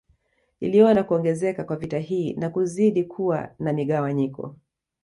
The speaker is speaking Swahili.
Iliona kuongezeka kwa vita hii na kuzidi kuwa na migawanyiko